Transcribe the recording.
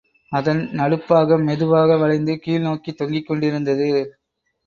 அதன் நடுப்பாகம் மெதுவாக வளைந்து கீழ்நோக்கித் தொங்கிக்கொண்டிருந்தது.